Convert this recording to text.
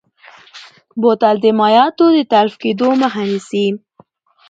بوتل د مایعاتو د تلف کیدو مخه نیسي.